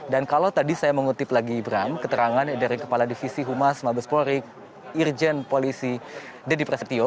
dan kalau tadi saya mengutip lagi ibram keterangan dari kepala divisi humas mabes polri irjen polisi deddy presetio